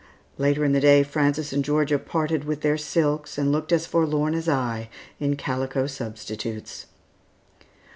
Later in the day Frances and Georgia parted with their silks and looked as forlorn as I in calico substitutes.